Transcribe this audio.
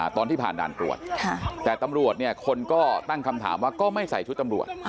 ตอนที่ผ่านด่านตรวจแต่ตำรวจเนี่ยคนก็ตั้งคำถามว่าก็ไม่ใส่ชุดตำรวจ